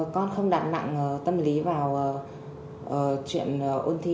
con không đạt nặng tâm lý vào chuyện ôn thi